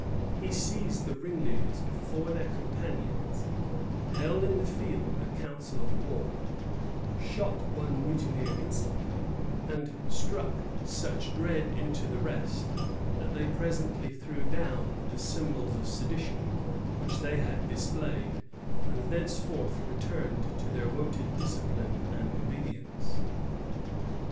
He seized the ringleaders before their companions; held in the field a council of war; shot one mutineer instantly; and struck such dread into the rest, that they presently threw down the symbols of sedition, which they had displayed, and thenceforth returned to their wonted discipline and obedience.